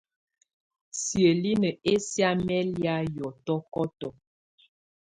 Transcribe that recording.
Siǝ́linǝ́ ɛsɛ̀á mɛ́ lɛ̀á yɔtɔkɔtɔ.